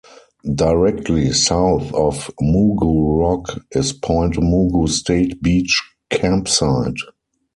Directly south of Mugu Rock is Point Mugu State Beach Campsite.